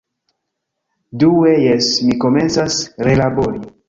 Due... jes, mi komencas relabori